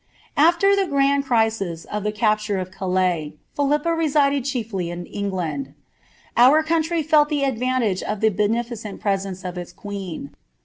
sr the grand crisis of the capture of Calais, Philippa resided chiefly ^[land. Our country felt the advantage of the beneficent presence queen.